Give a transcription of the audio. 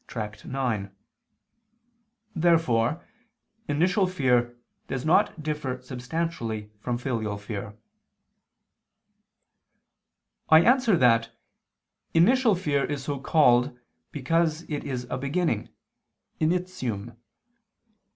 Tract. ix). Therefore initial fear does not differ substantially from filial fear. I answer that, Initial fear is so called because it is a beginning (initium).